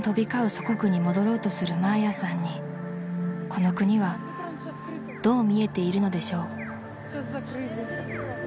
祖国に戻ろうとするマーヤさんにこの国はどう見えているのでしょう］